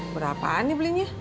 berapaan nih belinya